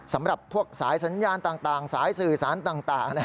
สำหรับพวกสายสัญญาณต่างสายสื่อสารต่าง